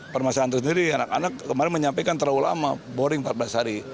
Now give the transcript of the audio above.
permasalahan tersendiri anak anak kemarin menyampaikan terlalu lama boring empat belas hari